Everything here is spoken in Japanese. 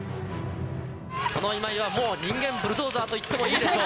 この今井はもう人間ブルドーザーといってもいいでしょう。